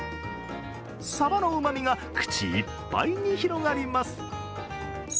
さばのうまみが口いっぱいに広がります。